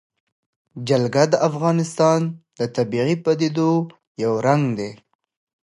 جلګه د افغانستان د طبیعي پدیدو یو رنګ دی.